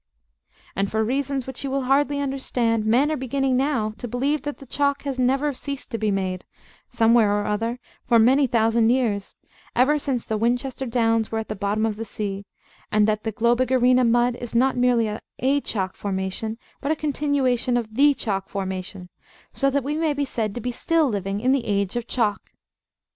And, for reasons which you will hardly understand, men are beginning now to believe that the chalk has never ceased to be made, somewhere or other, for many thousand years, ever since the Winchester Downs were at the bottom of the sea: and that "the Globigerina mud is not merely a chalk formation, but a continuation of the chalk formation, so that we may be said to be still living in the age of Chalk."